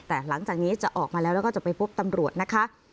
แต่หลังจากนี้จะออกมาแล้วแล้วก็จะไปพบตำรวจนะคะ